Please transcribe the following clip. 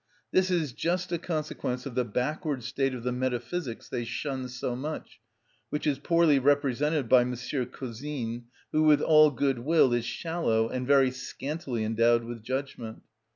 This is just a consequence of the backward state of the metaphysics they shun so much, which is poorly represented by M. Cousin, who, with all good will, is shallow and very scantily endowed with judgment.